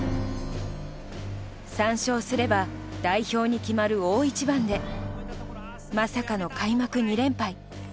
３勝すれば代表に決まる大一番でまさかの開幕２連敗。